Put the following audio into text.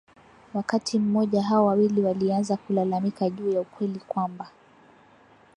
Wakati mmoja hao wawili walianza kulalamika juu ya ukweli kwamba